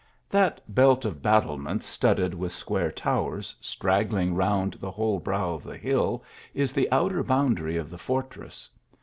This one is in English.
That belt of battlements studded with square towers, straggling round the whole brow of the hill, is the outer boundary of the fortress.